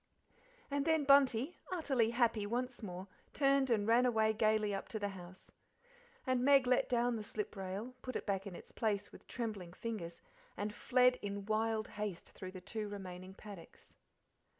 And then Bunty, utterly happy once more, turned and ran away gaily up to the house. And Meg let down the slip rail, put it back in its place with trembling fingers, and fled in wild haste through the two remaining paddocks.